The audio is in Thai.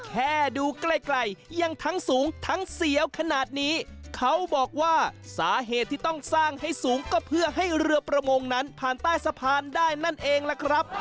แค่ดูใกล้ใกล้ยังทั้งสูงทั้งเสียวขนาดนี้เขาบอกว่าสาเหตุที่ต้องสร้างให้สูงก็เพื่อให้เรือประมงนั้นผ่านใต้สะพานได้นั่นเองล่ะครับ